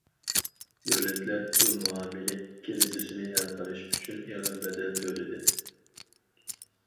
دۆلەتلەر پۇل مۇئامىلە كىرىزىسىنى ھەل قىلىش ئۈچۈن ئېغىر بەدەل تۆلىدى.